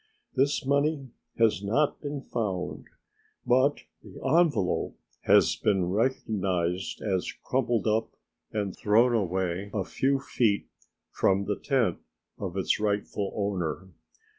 This money has not been found, but the envelope has been recognized as crumpled up and thrown away a few feet from the tent of its rightful owner.